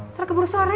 ntar keburu sore